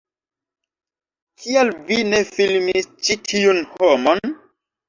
Kial vi ne filmis ĉi tiun homon?